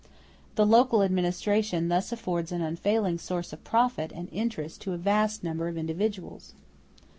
The local administration thus affords an unfailing source of profit and interest to a vast number of individuals.